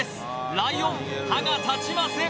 ライオン歯が立ちません